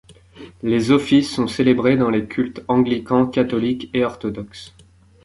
Les offices sont célébrés dans les cultes anglican, catholique et orthodoxe.